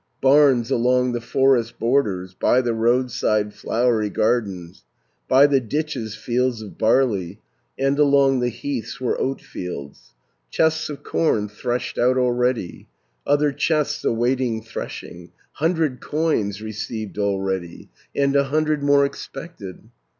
540 Barns along the forest borders, By the roadside flowery gardens, By the ditches fields of barley, And along the heaths were oatfields, Chests of corn threshed out already, Other chests awaiting threshing, Hundred coins received already, And a hundred more expected.